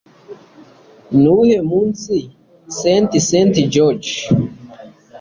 Nuwuhe munsi St St Georges?